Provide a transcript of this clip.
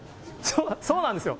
そうなんですよ。